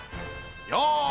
よし！